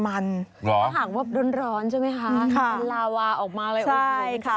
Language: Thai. เหรอหากว่าร้อนใช่ไหมคะมันลาวาออกมาเลยโอ้โหใช่ค่ะ